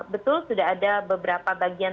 betul sudah ada beberapa bagian